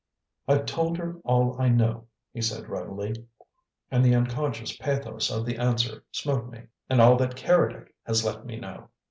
"I've told her all I know," he said readily, and the unconscious pathos of the answer smote me. "And all that Keredec has let me know.